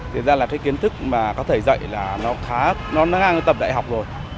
thì ra là cái kiến thức mà có thể dạy là nó khá nó đang tập đại học rồi